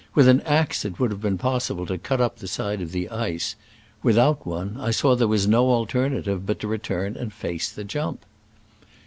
With an axe it would have been possible to cut up the side of the ice — without one, I saw there was no alter native but to return and face the jump.